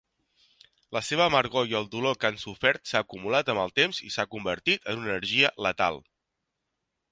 La seva amargor i el dolor que han sofert s'ha acumulat amb el temps i s'ha convertit en una energia letal.